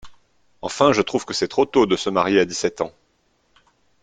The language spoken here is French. Enfin je trouve que c’est trop tôt de se marier à dix-sept ans.